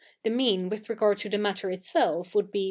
the mea7i with 7'egard to the 7natter itself would be 60